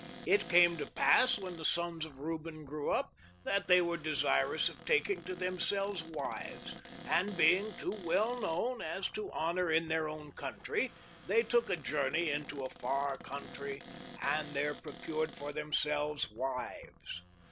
It came to pass when the sons of Reuben grew up that they were desirous of taking to themselves wives, and being too well known as to honor in their own country they took a journey into a far country and there procured for themselves wives.